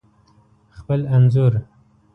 خپل انځور